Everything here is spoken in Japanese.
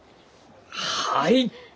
はい！